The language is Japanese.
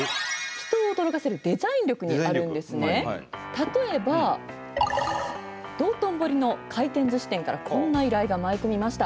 例えば道頓堀の回転ずし店からこんな依頼が舞い込みました。